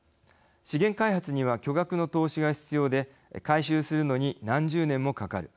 資源開発には巨額の投資が必要で回収するのに何十年もかかる。